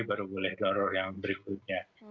baru boleh dorong yang berikutnya